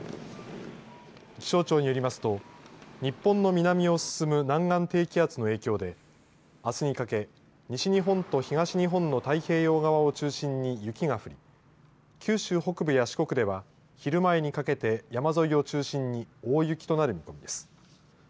気象庁によりますと日本の南を進む南岸低気圧の影響であすにかけ西日本と東日本の太平洋側を中心に雪が降り九州北部や四国では昼前にかけて山沿いを中心に大雪となる見込みです。